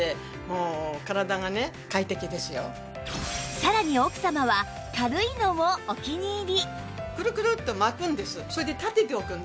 さらに奥様は軽いのもお気に入り